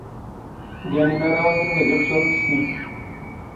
ⴳⴰⵏ ⵉⵎⴰⵔⴰⵡⵏ ⵉⵏⵓ ⵉⴷⵓⴽⵜⵓⵔⵏ ⵙ ⵙⵉⵏ.